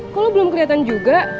kok lo belum keliatan juga